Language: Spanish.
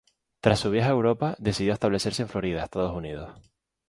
Tras su viaje a Europa, decidió establecerse en Florida, Estados Unidos.